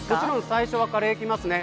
最初はカレーがきます。